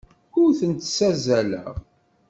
Ur tent-ssazzaleɣ.